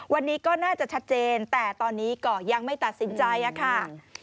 วันนี้ก็น่าจะชัดเจนแต่ตอนนี้ก็ยังไม่ตัดสินใจค่ะ